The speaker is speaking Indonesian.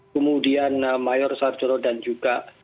kemudian mayor sarjoro dan juga